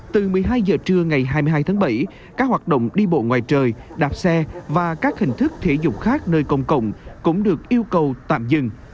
từ một mươi hai h trưa ngày hai mươi hai tháng bảy các hoạt động đi bộ ngoài trời đạp xe và các hình thức thể dục khác nơi công cộng cũng được yêu cầu tạm dừng